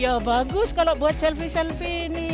ya bagus kalau buat selfie selfie ini